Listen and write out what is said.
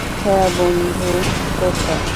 হ্যাঁ, বন্ধু, করতাম।